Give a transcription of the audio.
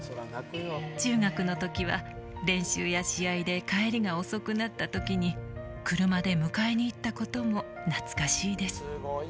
「中学の時は練習や試合で帰りが遅くなった時に車で迎えに行ったこともなつかしいです」